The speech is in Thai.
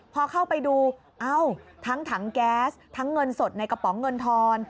พอเข้าไปดูเอ้าทั้งถังแก๊สทั้งเงินสดในกระป๋องเงินทอน